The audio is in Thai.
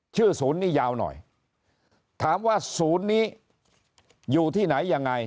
ศูนย์นี้ยาวหน่อยถามว่าศูนย์นี้อยู่ที่ไหนยังไง